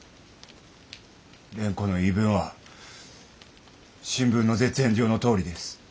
蓮子の言い分は新聞の絶縁状のとおりです。